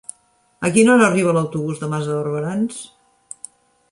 A quina hora arriba l'autobús de Mas de Barberans?